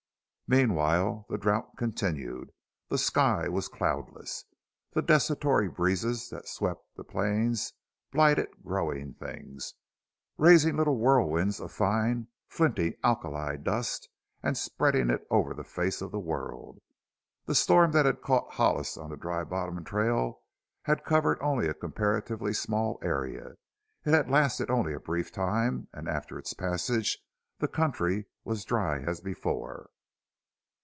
Meanwhile the drought continued. The sky was cloudless, the desultory breezes that swept the plains blighted growing things, raising little whirlwinds of fine, flinty alkali dust and spreading it over the face of the world. The storm that had caught Hollis on the Dry Bottom trail had covered only a comparatively small area; it had lasted only a brief time and after its passage the country was dry as before.